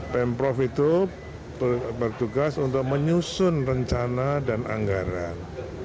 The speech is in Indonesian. pemprov itu bertugas untuk menyusun rencana dan anggaran